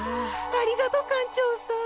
ありがとう館長さん。